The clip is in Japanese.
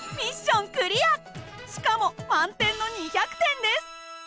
しかも満点の２００点です。